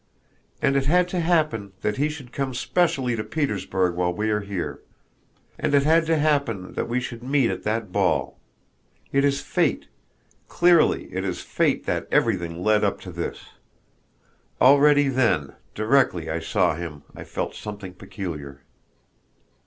"And it had to happen that he should come specially to Petersburg while we are here. And it had to happen that we should meet at that ball. It is fate. Clearly it is fate that everything led up to this! Already then, directly I saw him I felt something peculiar."